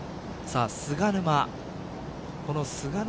菅沼